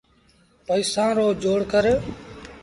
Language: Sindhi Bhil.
پئيٚسآݩ رو جوڙ ڪر۔